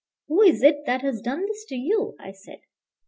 Who is it that has done this to you?" I said.